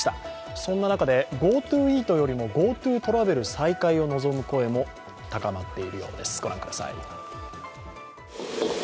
そんな中でＧｏＴｏイートよりもＧｏＴｏトラベル再開を望む声も高まっているようです。